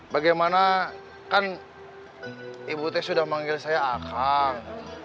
bagaimana kan ibu teh sudah manggil saya akan